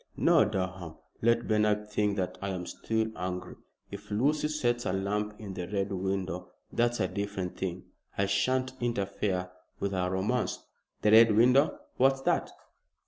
No, Durham, let Bernard think that I am still angry. If Lucy sets a lamp in the Red Window that's a different thing. I shan't interfere with her romance." "The Red Window. What's that?"